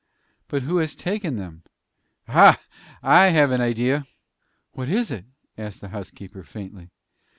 "But who has taken them? Ha! I have an idea." "What is it?" asked the housekeeper, faintly.